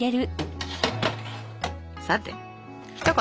さてひと言！